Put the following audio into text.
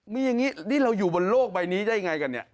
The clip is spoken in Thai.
มีอย่างนี้นี่เราอยู่บนโลกใบนี้ได้อย่างไรกัน